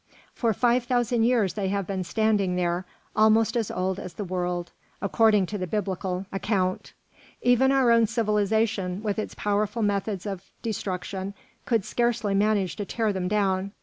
For five thousand years they have been standing there, almost as old as the world, according to the biblical account. Even our own civilisation, with its powerful methods of destruction, could scarcely manage to tear them down.